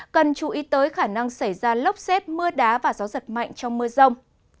cần chú ý tới khả năng xảy ra lốc xét mưa đá và gió giật mạnh trong mưa rông